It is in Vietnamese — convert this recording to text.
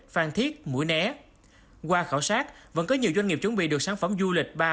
phan thiết mũi né qua khảo sát vẫn có nhiều doanh nghiệp chuẩn bị được sản phẩm du lịch ba